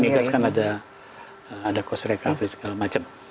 lain di migaskan ada cost recovery segala macam